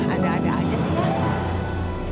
ada ada aja sih